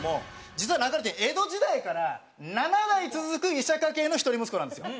実はなかるてぃん江戸時代から７代続く医者家系の一人息子なんですよ。